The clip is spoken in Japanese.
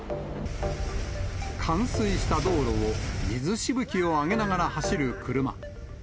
冠水した道路を水しぶきを上げながら走る車。